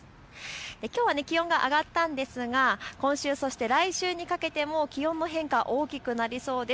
きょうは気温が上がったんですが今週、そして来週にかけても気温の変化、大きくなりそうです。